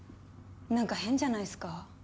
なんか変じゃないっすか？